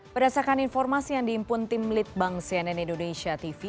berdasarkan informasi yang diimpun tim litbang cnn indonesia tv